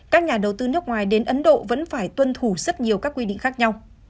các nhà đầu tư nước ngoài đến ấn độ vẫn phải tuân thủ rất nhiều các quy định khác nhau